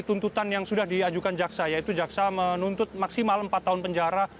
tuntutan yang sudah diajukan jaksa yaitu jaksa menuntut maksimal empat tahun penjara